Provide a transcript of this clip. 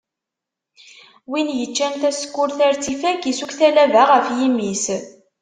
Win yeččan tasekkurt ar tt-ifak, isuk talaba ɣef yimi-s.